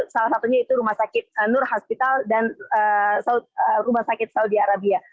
salah satunya itu rumah sakit nur hospital dan rumah sakit saudi arabia